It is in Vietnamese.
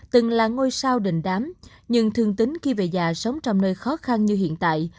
từng là ngôi sao đình đám nhưng thương tính khi về già sống trong nơi khó khăn như hiện tại